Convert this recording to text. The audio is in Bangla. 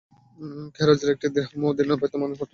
খেরাজের একটি দিরহাম বা দিনারও বাইতুল মালে পাঠালেন না।